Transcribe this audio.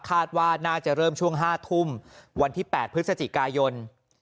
คาดว่าน่าจะเริ่มช่วง๕ทุ่มวันที่๘พฤศจิกายน